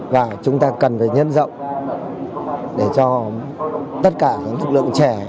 và chúng ta cần phải nhân rộng để cho tất cả những lực lượng trẻ